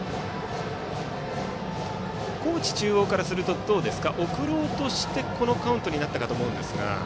高知中央からすると送ろうとして、このカウントになったかと思うんですが。